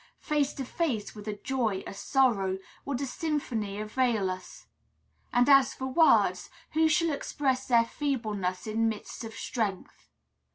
Face to face with a joy, a sorrow, would a symphony avail us? And, as for words, who shall express their feebleness in midst of strength?